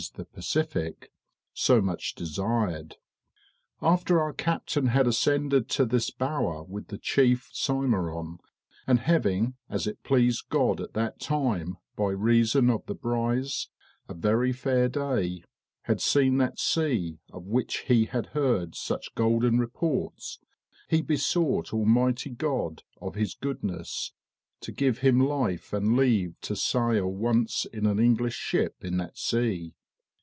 e._, Pacific), so much desired. After our captain had ascended to this bower with the chief Symeron, and having, as it pleased God at that time, by reason of the brize, a very faire day, had seen that sea of which he had heard such golden reports, he besought Almighty God of his goodness to give him life and leave to sayle once in an English ship in that sea."